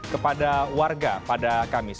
kepada warga pada kamis